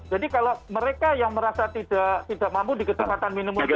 jadi kalau mereka yang merasa tidak mampu di kecepatan minimum itu